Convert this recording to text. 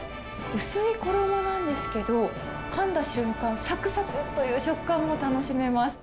薄い衣なんですけど、かんだ瞬間、さくさくという食感が楽しめます。